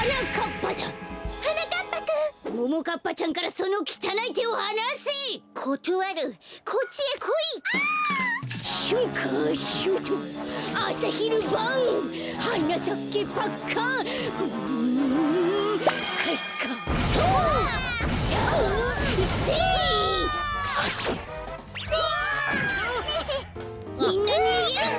みんなにげるぜ！